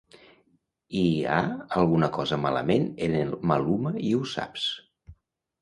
I ha alguna cosa malament en el Maluma i ho saps.